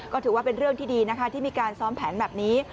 ก็ถือว่าเป็นเรื่องที่ดีนะคะที่มีการซ้อมแผนแบบนี้